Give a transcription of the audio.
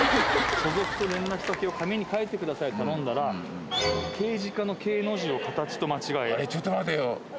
所属と連絡先を書いてくださいって頼んだら刑事課の刑の字を形と間違えて。